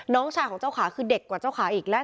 น้องชายของเจ้าขาคือเด็กกว่าเจ้าขาอีกแล้ว